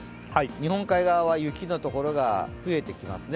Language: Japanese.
日本海側は雪の所が増えてきますね。